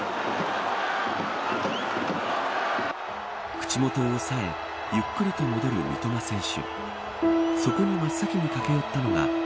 口元を押さえゆっくりと戻る三笘選手。